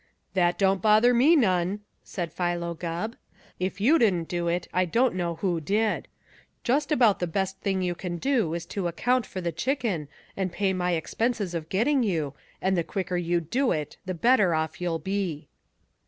"That don't bother me none," said Philo Gubb. "If you didn't do it, I don't know who did. Just about the best thing you can do is to account for the chicken and pay my expenses of getting you, and the quicker you do it the better off you'll be."